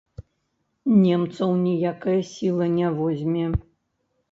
Немцаў ніякая сіла не возьме.